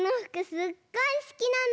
すっごいすきなの。